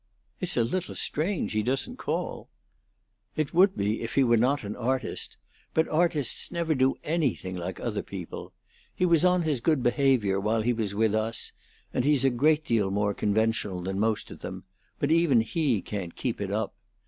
"It's a little strange he doesn't call." "It would be if he were not an artist. But artists never do anything like other people. He was on his good behavior while he was with us, and he's a great deal more conventional than most of them; but even he can't keep it up.